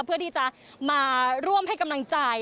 เพื่อที่จะมาร่วมให้กำลังใจ